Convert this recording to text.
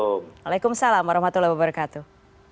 waalaikumsalam warahmatullahi wabarakatuh